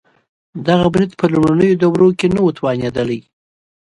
دغه برید په لومړنیو دورو کې نه و توانېدلی.